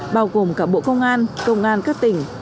bao gồm cả bộ công an công an các tỉnh